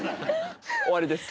終わりです。